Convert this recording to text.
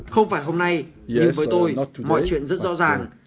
không phải hôm nay nhưng với tôi mọi chuyện rất rõ ràng